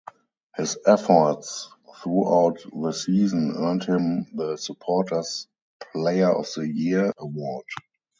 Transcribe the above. His efforts throughout the season earned him the "Supporters Player of the Year" award.